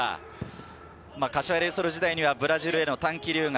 柏レイソル時代にはブラジルへの短期留学。